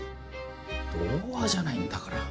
童話じゃないんだから。